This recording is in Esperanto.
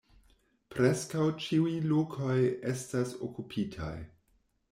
Preskaŭ ĉiuj lokoj estas okupitaj.